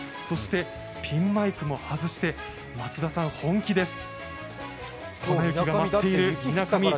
そしてピンマイクも外して、松田さん、本気です。